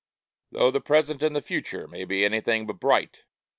Though the present and the future may be anything but bright.